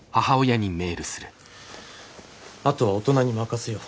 あとは大人に任せよう。